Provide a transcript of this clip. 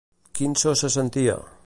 Quin so se sentia?